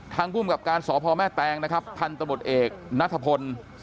ภูมิกับการสพแม่แตงนะครับพันธบทเอกนัทพล